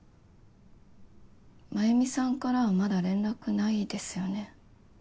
繭美さんからはまだ連絡ないですよね？